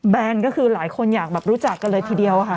แนนก็คือหลายคนอยากรู้จักกันเลยทีเดียวค่ะ